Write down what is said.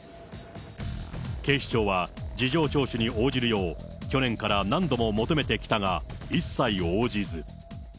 警視庁は事情聴取に応じるよう去年から何度も求めてきたが、一切応じず。